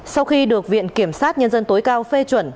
sau khi được viện kiểm sát nhân dân tối cao phê chuẩn